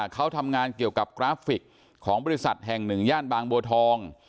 เขาทำงานเกี่ยวกับกราฟิกของบริษัทแห่งหนึ่งย่านบางบัวทอง